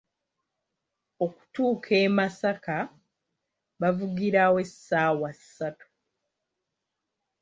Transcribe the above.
Okutuuka e Masaka bavugirawo essaawa ssatu.